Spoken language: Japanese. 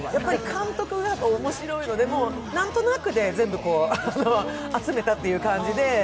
監督が面白いので、何となくで全部集めたっていう感じで。